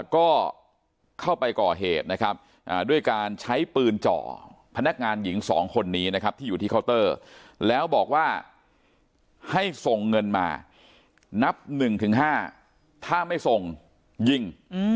ก็เข้าไปก่อเหตุนะครับด้วยการใช้ปืนเจาะพนักงานหญิง๒คนนี้นะครับที่อยู่ที่เคาน์เตอร์แล้วบอกว่าให้ส่งเงินมานับ๑๕ถ้าไม่ส่งยิง